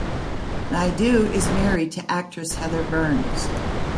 Naidu is married to actress Heather Burns.